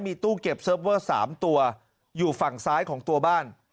ตู้เก็บเซิร์ฟเวอร์๓ตัวอยู่ฝั่งซ้ายของตัวบ้าน